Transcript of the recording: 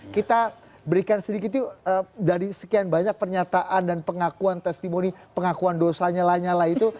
kita berikan sedikit yuk dari sekian banyak pernyataan dan pengakuan testimoni pengakuan dosanya lanyala itu